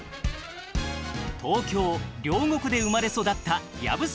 東京・両国で生まれ育った藪沢